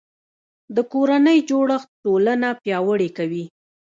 د کورنۍ جوړښت ټولنه پیاوړې کوي